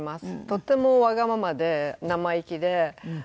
とてもわがままで生意気で。